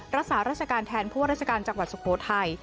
รักษาราชการแทนผู้ว่าราชการจังหวัดสุโขทัย